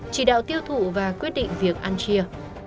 chỉ đạo tiêu thụ và quyết định việc ăn chia